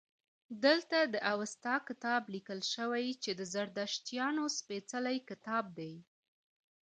دلته د اوستا کتاب لیکل شوی چې د زردشتیانو سپیڅلی کتاب دی